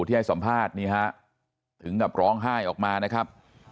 ที่ให้สัมภาษณ์นี่ฮะถึงกับร้องไห้ออกมานะครับ